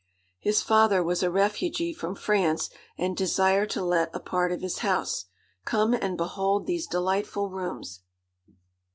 His father was a refugee from France, and desired to let a part of his house. Come and behold these delightful rooms.